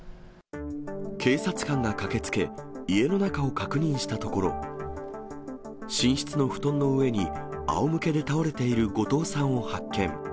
警察官が駆けつけ、家の中を確認したところ、寝室の布団の上にあおむけで倒れている後藤さんを発見。